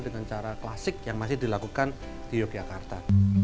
dengan cara klasik yang masih dilakukan di yogyakarta